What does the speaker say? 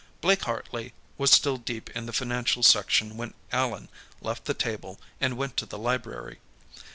Blake Hartley was still deep in the financial section when Allan left the table and went to the library.